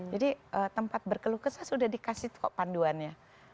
jadi tempat berkeluh kesalah sudah dikasih panduannya